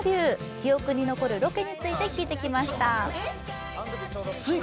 記憶に残るロケについて聞いてきました。